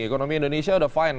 ekonomi indonesia sudah fine